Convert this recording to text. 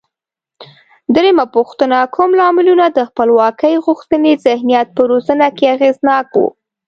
درېمه پوښتنه: کوم لاملونه د خپلواکۍ غوښتنې ذهنیت په روزنه کې اغېزناک و؟